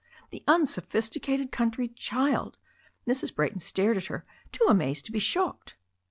The unsophisticated country child !" Mrs. Brayton stared at her, too amazed to be shocked.